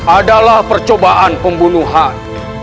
adalah percobaan pembunuhan